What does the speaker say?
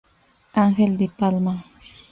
Ángel Di Palma.